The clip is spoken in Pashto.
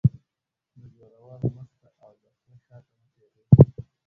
- د زورور مخ ته او دخره شاته مه تیریږه.